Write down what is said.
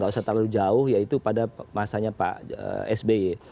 tidak usah terlalu jauh yaitu pada masanya pak sby